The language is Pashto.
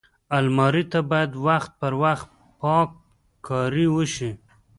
الماري ته باید وخت پر وخت پاک کاری وشي